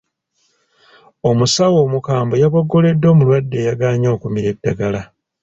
Omusawo omukambwe yaboggoledde omulwadde eyagaanye okumira eddagala.